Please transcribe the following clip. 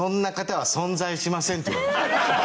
って言われました。